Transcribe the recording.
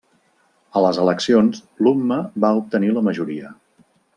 A les eleccions l'Umma va obtenir la majoria.